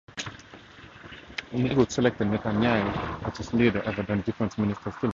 Likud selected Netanyahu as its leader, over then-Defense Minister Silvan Shalom.